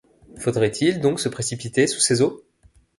Faudrait-il donc se précipiter sous ces eaux.